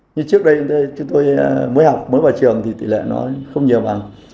như trước đây chúng tôi mới học mới vào trường thì tỷ lệ nó không nhiều bằng